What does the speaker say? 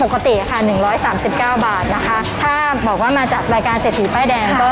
ขอให้แจ้งไปนะครับว่ามาจากรายการสถีป้ายแดง